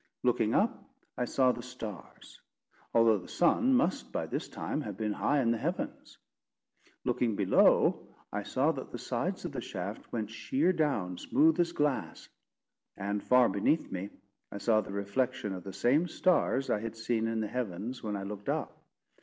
Looking up, I saw the stars; although the sun must by this time have been high in the heavens. Looking below, I saw that the sides of the shaft went sheer down, smooth as glass; and far beneath me, I saw the reflection of the same stars I had seen in the heavens when I looked up.